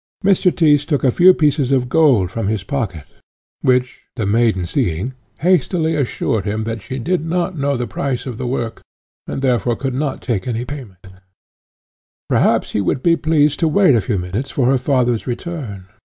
Mr. Tyss took a few pieces of gold from his pocket, which, the maiden seeing, hastily assured him that she did not know the price of the work, and, therefore, could not take any payment; perhaps he would be pleased to wait a few minutes for her father's return.